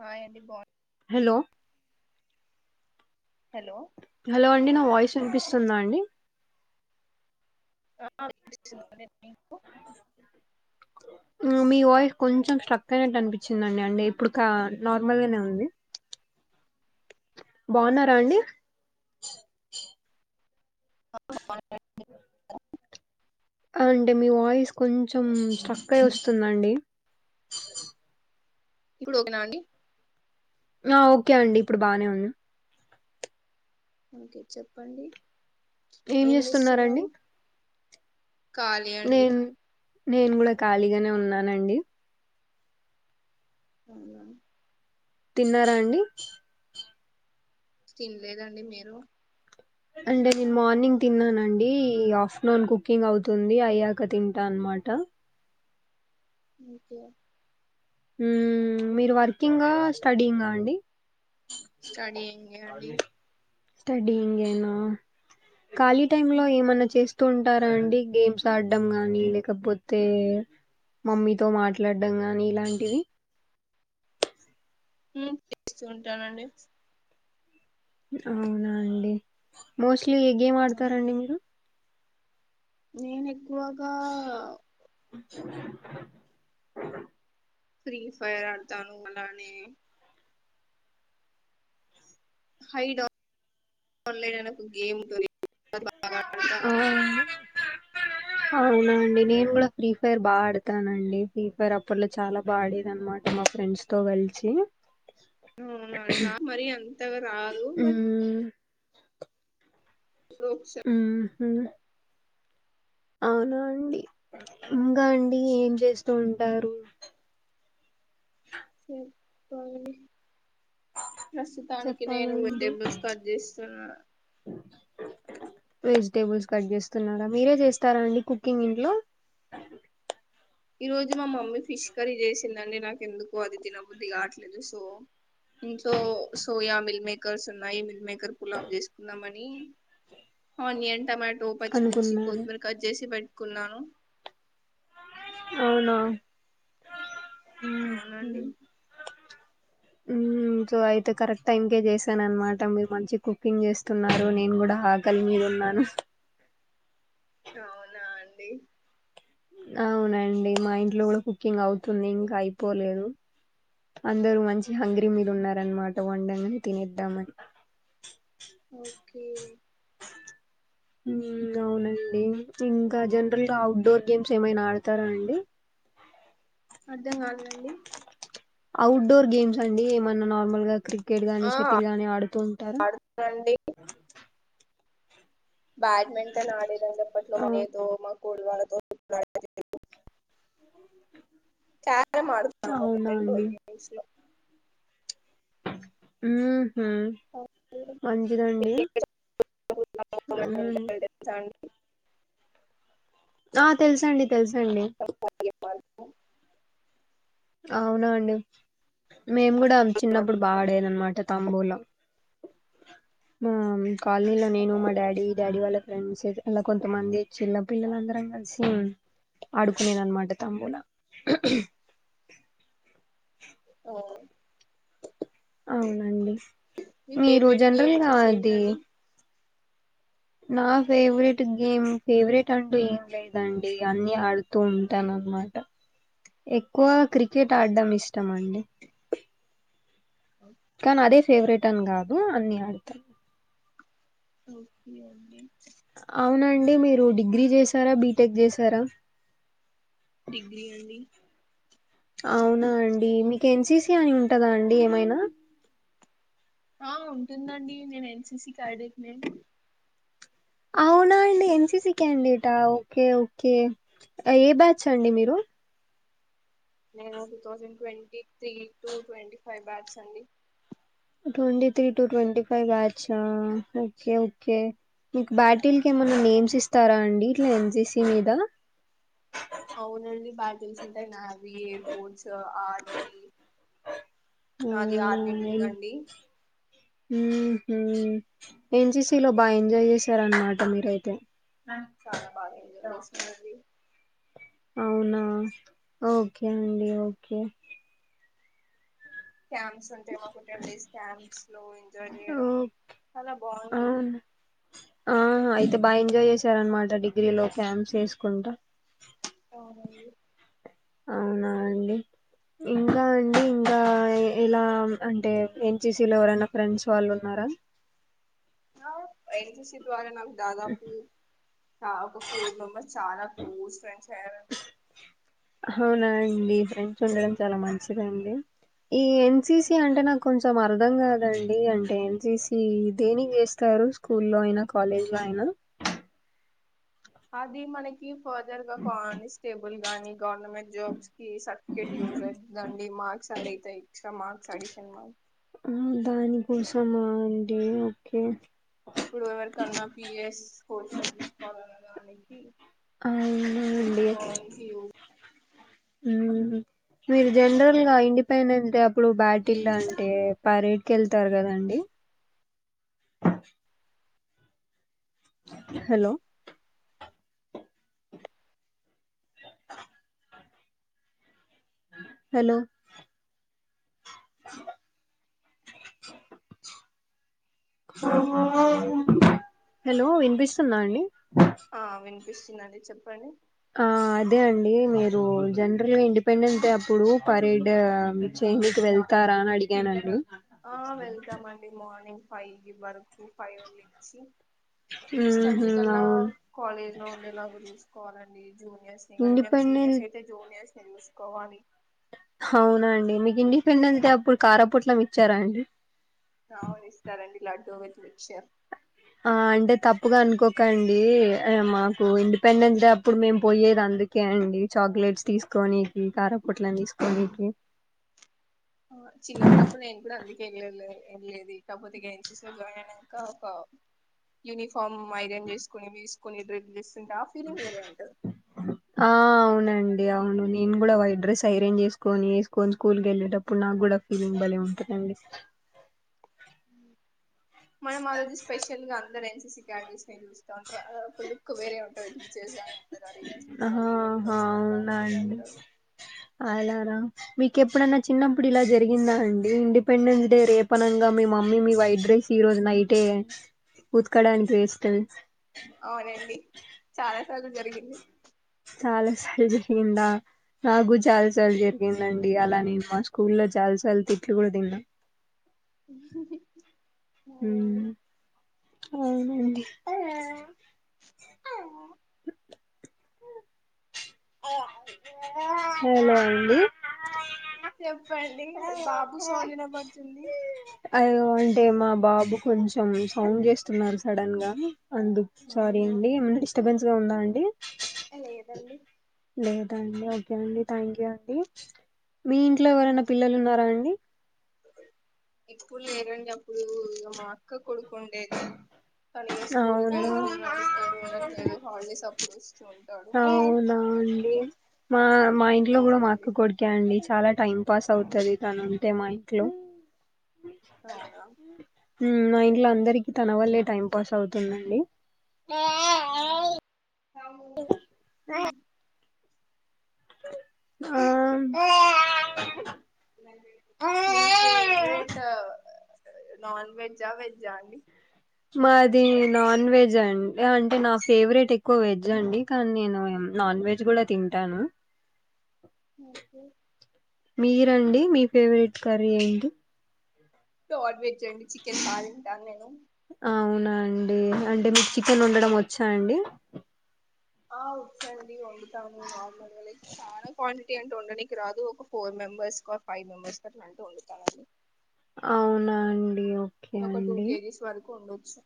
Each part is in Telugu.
హాయ్ అండి బా హలో హలో హలో అండి నా వాయిస్ అనిపిస్తుందా అండి ఆ [unintelligible] మీ వాయిస్ కొంచెం స్ట్రక్ అయినట్టు అనిపించిందండి అంటె ఇప్పుడు క నార్మల్గానే ఉంది బాగున్నారా అండి అంటే మీ వాయిస్ కొంచెం స్ట్రక్ అయి వస్తుందండి ఇప్పుడు ఓకే నా అండి ఆ ఓకే అండి ఇప్పుడు బానే ఉంది ఓకే చెప్పండి ఏం చేస్తున్నారు ఖాళీ అండి నేను నేను కూడా ఖాళీగానే ఉన్నానండి అవునా తిన్నారా అండి తినలేదండి మీరు అంటే నేను మార్నింగ్ తిన్నానండి ఆఫ్టర్నూన్ కుకింగ్ అవుతుంది అయ్యాక తింటాను అనమాట ఓకే ఉమ్ మీరు వర్కింగా స్టడీ ఇంగా అండి స్టడీ ఇంగే అండి స్టడీ ఇంగ్గేన ఖాళీ టైమ్ లో ఏమన్నా చేస్తూ ఉంటారా అండి గేమ్స్ ఆడడం గానీ లేకపోతే ఆ మమ్మీ తో మీతో మాట్లాడం గాని ఇలాంటివి హు చేస్తూ ఉంటానండి అవునా అండి మోస్ట్లీ అవునా, ఆడతారండి మీరు నేను ఎక్కువగా ఫ్రీ ఫైర్ ఆడుతాను అలానే హై [unintelligible] ఆ అవునా అండి నేను కూడా ఫ్రీ ఫైర్ బాగా ఆడతానండి ఫ్రీ ఫైర్ అప్పట్లో చాల [unintelligible] మా ఫ్రెండ్స్ తో కలిసి హమ్ అవునండి నాకు మరి అంతగా రాదు బట్ ఉ [unintelligible] ఉహు అవునా అండి ఇంగా అండి ఏం చేస్తూ ఉంటారు చెప్పండి ప్రస్తుతానికి నేను చెప్పాలండి వెజిటేబుల్స్ కట్ చేస్తున్నా వెజిటేబుల్స్ కట్ చేస్తున్నారా మీరే చేస్తార అండి కుకింగ్ ఇంట్లో ఈ రోజు మా మమ్మీ ఫిష్ కర్రీ చేసిందండి నాక ఎందుకు అది తినబుద్ధి కాట్లేదు సో ఇంట్లో సోయా మిల్క్ మేకర్స్ ఉన్నాయి మిల్క్ మేకర్ పులావు చేసుకున్నామని ఆనియన్ టమాటో పచ్చిమిర్చి అనుకున్నారు కొత్తిమీర కట్ చేసి పెట్టుకున్న అవున అవునండి ఉ అయితే కరెక్ట్ టైంకే చేసాను అన్న మాట మీరు మంచిగా కుకింగ్ చేస్తున్నారు నేను గూడ [unintelligible] మీద ఉన్నాను అవునా అండి అవునండి మా ఇంట్లో కూడా కుకింగ్ అవుతుంది ఇంకా అయిపోలేదు అందరు మంచి హంగరీ మీద ఉన్నారనమాట వండగానే తినేద్దామని ఓకే అవునండి ఇంకా జనరల్గా ఔట్డోర్ గేమ్స్ ఏమైనా ఆడతారా అండి అర్ధం కాలేదండి అఔట్ డోర్ గేమ్స్ అండి ఏమన్నా నార్మల్ గా క్రికెట్ గాని ఆ షటిల్ గాని ఆడుతూ ఉంటార [unintelligible] ఆ, [unintelligible] అవునా అండి [unintelligible] ఉహు లో మంచిదండి ఆ ఉంటాయి [unintelligible] ఆ తెలుసండి తెలుసండి ఓ అవునా అండి మేము కూడా చిన్నప్పుడు బాడేది అనమాట తాంబూలాం మా కాలనీలో నేను మా డాడీ డాడీ వాళ్ళ ఫ్రెండ్స్తే అలా కొంతమంది చిన్న పిల్లలందరం కలిసి ఆడుకునేదన్న మాట తంబులా [inaudible] ఆ అవునండి మీ మీరు ఫేవరెట్ జనరల్ గా గేమ్చ్చసి అది ఏంటండి నా ఫేవరెట్ గేమ్ ఫేవరెట్ అంటూ ఏం లేదండి అన్ని ఆడుతూ ఉంటాను అన్నమాట ఆ ఎక్కువ క్రికెట్ ఆడడం ఇష్టం అండి ఓకే కనీ అదే ఫేవరెట్ అని కాదు అన్ని ఆడతా ఓకే అండి అవునండి మీరు డిగ్రీ చేశారా బీటెక్ చేశారా డిగ్రీ అండి అవునా అండి మీకు ఎన్సిసి అని ఉంటాదా అండి ఏమైనా ఆ ఉంటుందండి నేను ఎన్సిసి క్యాడెట్ నీ అవునా అండి ఎన్సిసి క్యాండిడేటా ఓకే ఓకే ఏ బ్యాచ్ అండి మీరు నేను two thousand twenty three to twenty five batches అండి twenty three to twenty five batch ఆ ఓకే ఓకే మీకు బ్యాటిల్కి ఏమైన్నా నేమ్స్ ఇస్తారా అండి ఇట్లా ఎన్సిసి మీద అవునండి బాటిల్స్ ఉంటాయి నావీ ఎయిర్ ఫోర్స్ ఆర్మీ నాది అవునా ఆర్మీ మిందా అండి ఉమ్ హు ఎన్సిసిలో బాగా ఎంజాయ్ చేశారన్నమాట మీరైతే చాలా బాగా ఎంజాయ్ చేసినానండి అవునా ఓకే అండి ఓకే క్యాంప్స్ ఉంటాయి మాకు టెన్ డేస్ క్యాంప్స్ లో ఎంజాయ్ ఓ చేయడం చాలా బాగుంటుంది అవును ఆ అయితే బాగా ఎంజాయ్ చేసారనమాట డిగ్రీలో క్యామ్స్ చేసుకుంటా అవునండి అవునా అండి ఇంకా అండి ఇంకా ఇలా అంటే ఎన్సిసి లో ఎవరైనా ఫ్రెండ్స్ వాళ్ళు ఉన్నారా ఆ ఎన్సిసీ ద్వారా నాకు దాదాపు చ ఒక ఫోర్ మెంబర్స్ చాలా క్లోజ్ ఫ్రెండ్స్ అయ్యారండి అవునా అండి ఫ్రెండ్స్ ఉండడం చాలా మంచిదండి ఈ ఎన్సిసి అంటే నాకు కొంచెం అర్థం కాదండి అంటే ఎన్సిసి దేనికి చేస్తారు స్కూల్లో అయినా కాలేజ్ లో అయినా అది మనకి ఫర్దర్ గా కానిస్టేబుల్ గాని గవర్నమెంట్ జాబ్స్ కి స ర్టిఫికెట్ యూస్ అయితాదండి మార్క్స్ అడైతే ఎక్స్ట్రా మార్క్స్ అడిషన్ మార్ [unintelligible] ఆమ్ దాని కోసమా అండి ఓకే ఎప్పుడు ఎవరికన్నా పిఎఎస్ కోచింగ్ తీసుకోవాలన్న దానికి అవునా చేసుకొనికి యూస్ ఉహు మీరు జనరల్ గా ఇండిపెండెన్స్ అప్పుడు బ్యాటిల్లు అంటే పరేడ్ కి వెళ్తారు కదండి హలో [inaudible] హలో హెలో వినిపిస్తుంద అండి ఆ వినిపిస్తుందండి చెప్పండి ఆ అదే అండి మీరు జనరల్గా ఇండిపెండెంట్ డే అప్పుడు పరేడ్ మీకు చేంకి వెళ్తు తార అని అడిగానండి ఆ వెళ్తామండి మార్నింగ్ ఫైవ్ వరకు ఫైవ్ నుంచి సిక్స్ ఊహూ థర్టీ కల్లా అవును కాలేజ్ లో ఉండేలాగ చూసుకోవాలండి జూనియర్స్ ని కానీ మేము ఇండిపెండెన్ సీనియర్స్ అయితే జూనియర్స్ ని చూసుకోవాలి హ అవునా అండి మీకు ఇండిపెండెన్స్ డే అప్పుడు కారం పోట్లం ఇచ్చార అండి అ అవును ఇస్తారండి లడ్డూ విత్ మిక్స ర్ ఆ అంటే తప్పుగ అనుకోకండి మాకు ఇండిపెండెన్స్ డే అప్పుడు మేము పోయేది అందు కే అండి చాక్లెట్స్ తీసుకోనినికి కారా పొట్లం తీసుకోనినికి ఆ చిన్నగ ఊన్నప్పుడు నేను కూడా అండి వెళ్లేదు ఇకపోతేకిగా ఎన్సీసి జాయిన్ అయినాక ఒక యూనిఫామ్ ఐరన్ చేసుకుని వేసుకుొని డ్రెస్లు చేస్తుంటే ఆ ఫీలింగ్ వేరే ఉంటది ఆ అవునండి అవును నేను కూడా వయిట్ డ్రెస్ అయిరన్ చేసుకొని వేసుకొని స్కూల్ క వెళ్ళేటప్పుడు నాకు కూడా ఉమ్ భలే ఉంటది అండి మనం ఆ రోజు స్పెషల్ గా అందరు ఎన్ సి సి క్యాండీస్ నె చూస్త ఉంటారు అ ఒక లుక్ వేరే ఉంటది చూే గాని గాడి ఆహా [unintelligible] అనుకుంటా ఉంటారు అ ఎలార మీకు ఎప్పుడన్నా చిన్నప్పుడు ఇలా జరిగిందా అండి ఇండిపెండెన్స్ డే రేపనంగా మీ మమ్మీ మీ వైట్ డ్రస్ ఈ రోజు నైటే ఉతుకడానికి వేసి అవునండి చాలా సార్లు జరిగింది చాల సార్లు జరిగింద నాకు చాలా సార్లు జరిగిందండి అలా నేను మా స్కూల్లో చాలా సార్లు తిట్లు కూడా తిన్నాను అవునండి ఉమ్ అవునండి అవు హెలో అండి చెప్పండి బాబు సౌండ్ వినపడుతుంది అ అంటే మా బాబు కొంచెం సౌండ్ చేస్తున్నారు సడన్ గా అందుకు స్వారీ అవునా అండి ఏమన్న డిస్టర్బెన్స్ గా ఉందా అండి లేదండి లేదాండి ఓకే అండి థ్యాంక్ యూ అండి మీ ఇంట్లో ఎవరన్నా పిల్లలు ఉన్నారా అండి ఇప్పుడు లేరండి అప్పుడు ఇగ మా అక్క కొడుకు ఉండేది కనిగా అవునా స్కూల్కి వెళ్తున్నాడు ఇక్కడ ఉండట్లేదు హాలిడేస్ అప్పుడు వస్తు. అవునా అండి మా మా ఇంట్లో కూడా మా అవునండి అక్క కొడుకే అండి చాలా టైం పాస్ అవుతది తను ఉంటే మా ఇంట్లో అవునా మా ఇంట్లో అందరికి తన వల్లే టైం పాస్ అవుతుందండి కవు అయ ఆ మాకు మీ ఫేవరెట్ నాన్ వెజా వెజా అండి మాది నాన్ వెజ్ అండి అంటే నా ఫేవరెట్ ఎక్కువ వెజ్ అండి కానీ నేను నాన్ వెజ్ గూడా తింటాను ఓకే మీరండి మీ ఫేవరెట్ కర్రీ ఏంటి నాన్ వెజ్ అండి చికెన్ బాగతింటాను నేను అవునాండి అంటే మీకు చికెన్ వొండడం వచ్చా అండి ఆ వచ్చండి వండుతాము నార్మల్ గా లేక్ చాలా క్వాంటిటీ అంటే వండడానికి రాదు ఒక ఫోర్ మెంబర్స్ క్ ఫైవ్ మెంబర్స్ గట్ల అంటూ వండుతానండి అవునా అండి ఒ ఒక టూ కేజీస్ వరకు ఉండొచ్చు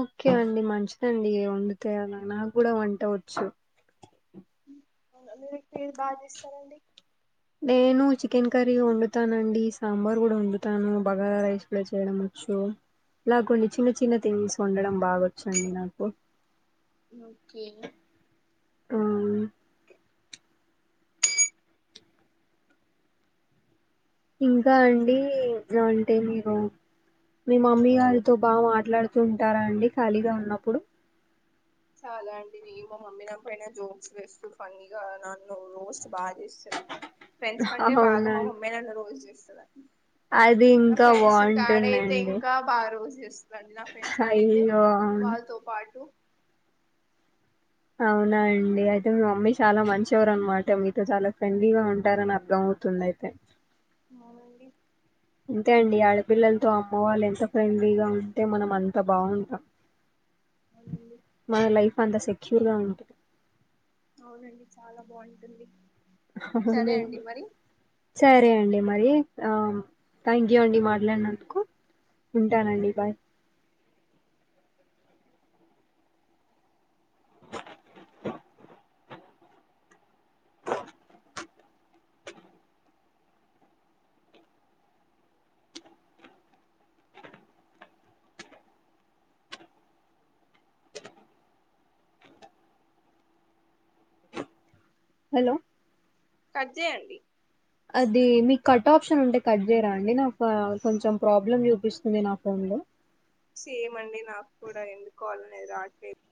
ఓకే అండి మంచిదండి వండితే అలా నా గూడా వంటవచ్చు మీరు ఎక్కువ ఏది బాగ చేస్తారండి నేను చికెన్ కర్రీ వండుతానండి సాంబార్ గూడా వండుతాను బగారా రైస్ గూడా చేయడం వచ్చు ఇలా కొన్ని చిన్న చిన్న థింగ్స్ వొండడం బాగొచ్చండి నాకు ఓకే కాని ఇంకా అండి అంటే మీరు మీ మమ్మీ గారితో బాగా మాట్లాడుతూ ఉంటారా అండి ఖాళీగా ఉన్నప్పుడు చాలా అండి నే మా మమ్మీ నాపైనా జోక్స్ వేస్తూ ఫన్నీగా నన్ను రోస్ట్ బాగ చేస్తది [inaudible] ఫ్రెండ్స్ కంటే బాగా అవునా మా అండి, మమ్మి నన్ను రోజు చేస్త అది నా ఇంకా ఫ్రెండ్స్ ఇంకా ఆడైతే బాగుంటుందండి ఇంకా బాగా రోజు చేస్తదండి నా ఫ్రెండ్స్ ఆడైతే అయ్యో అవును వాళ్ళతో పాటు అవునా అండి అయితే మీ మమ్మీ చాలా మంచోరు అనమాట మీతో చాలా ఫ్రెండ్లీగా ఉంటారని అర్థంమవ్ తుంది అయితే అవునండి అంతే అండి ఆడపిల్లలతో అమ్మ వాళ్ళు ఎంత ఫ్రెండ్లీగా ఉంటే మనం అంత బాగుంటాం అవునండి మన లైఫ్ అంత సెక్యూర్ గా ఉంటది అవునండి చాలా బాగుంటుంది హ సరే అండి అవునండి మరి సరే అండి మరి ఆ థ్యాంక్ యూ అండి మాట్లాడినందుకు ఓకే ఉంటానండి అండి బాయ్ హలో కట్ జేయండి అది మీక్ కట్ ఆప్షన్ ఉంటే కట్ చేయరా అండి నాకు కొంచెం ప్రాబ్లమ్ చూపిస్తుంది నా ఫోన్ లో సేమ్ అండి నాకు కూడా ఎందుకో అది రాట్లేదు